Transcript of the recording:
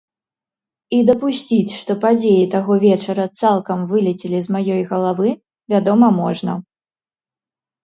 І дапусціць, што падзеі таго вечара цалкам вылецелі з маёй галавы, вядома, можна.